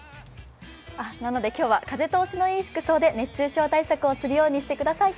なので今日は風通しのいい服装で熱中症対策をするようにしてください。